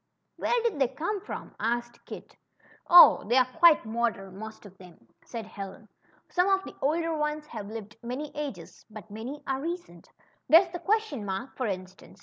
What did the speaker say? Where did they come from?" asked Kit. CHRISTOPHER'S "AT HOME. 135 Oh ! they're quite modern, most of them," said Helen. Some of the older ones have lived many ages, but many are recent. There's the question mark, for instance.